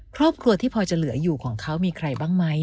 ครอบครัวที่พอจะเหลืออยู่ของเขามีใครบ้างไหม